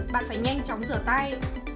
bạn phải nhanh chóng rửa tay